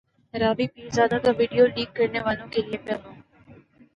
رابی پیرزادہ کا video leak کرنیوالوں کے لیے پیغام